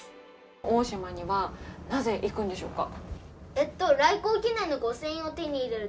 大島にはなぜ行くんでしょうか？